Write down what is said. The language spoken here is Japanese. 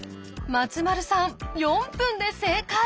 松丸さん４分で正解！